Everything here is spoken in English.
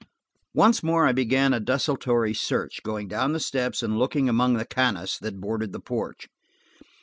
Once more I began a desultory search, going down the steps and looking among the cannas that bordered the porch.